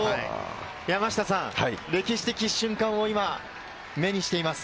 歴史的瞬間を今、目にしています。